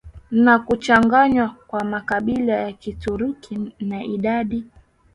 ya kuchanganywa kwa makabila ya Kituruki na idadi